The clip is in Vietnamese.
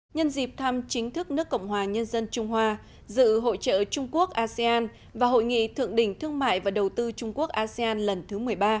nhân dịp thăm chính thức nước cộng hòa nhân dân trung hoa dự hội trợ trung quốc asean và hội nghị thượng đỉnh thương mại và đầu tư trung quốc asean lần thứ một mươi ba